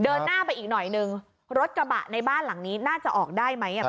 เดินหน้าไปอีกหน่อยนึงรถกระบะในบ้านหลังนี้น่าจะออกได้ไหม